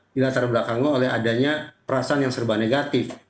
dilatar belakangnya oleh adanya perasaan yang serba negatif